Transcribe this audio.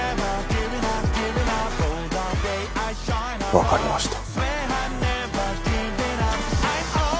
わかりました。